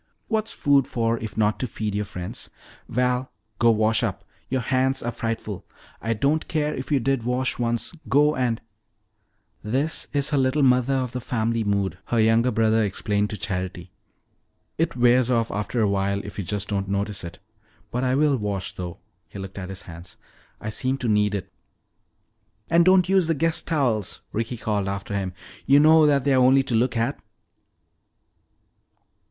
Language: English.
"What's food for, if not to feed your friends? Val, go wash up; your hands are frightful. I don't care if you did wash once; go and " "This is her little mother of the family mood," her younger brother explained to Charity. "It wears off after a while if you just don't notice it. But I will wash though," he looked at his hands, "I seem to need it." "And don't use the guest towels," Ricky called after him. "You know that they're only to look at."